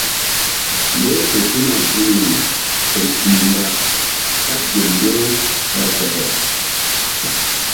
Leh fe tuna gunri toŋ ɗih mba kaɓ gel mbew ɓa zɔke.